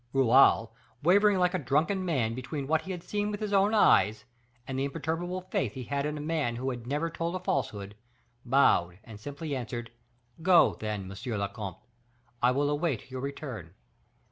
Raoul, wavering like a drunken man between what he had seen with his own eyes and the imperturbable faith he had in a man who had never told a falsehood, bowed and simply answered, "Go, then, monsieur le comte; I will await your return."